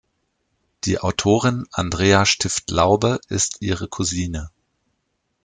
Die Autorin Andrea Stift-Laube ist ihre Cousine.